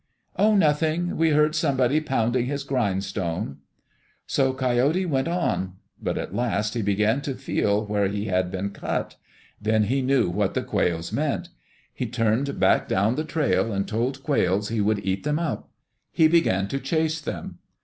"Oh, nothing. We heard somebody pounding his grinding stone." So Coyote went on. But at last he began to feel where he had been cut. Then he knew what the quails meant. He turned back down the trail and told Quails he would eat them up. He began to chase them.